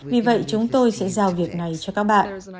vì vậy chúng tôi sẽ giao việc này cho các bạn